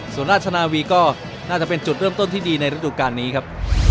ส่วนราชนาวีก็น่าจะเป็นจุดเริ่มต้นที่ดีในฤดูการนี้ครับ